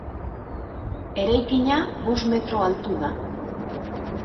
Eraikina bost metro altu da.